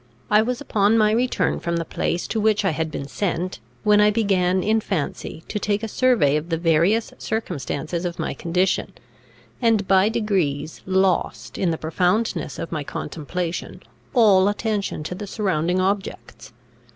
I was upon my return from the place to which I had been sent, when I began in fancy to take a survey of the various circumstances of my condition, and by degrees lost, in the profoundness of my contemplation, all attention to the surrounding objects.